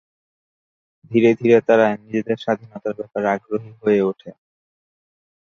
ধীরে ধীরে তারা নিজেদের স্বাধীনতার ব্যাপারে আগ্রহী হয়ে ওঠে।